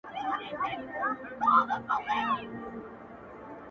• سرې سونډي دي یاره له شرابو زوروري دي..